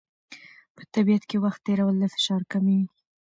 په طبیعت کې وخت تېرول د فشار کموي.